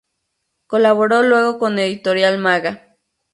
Colaboró luego con Editorial Maga.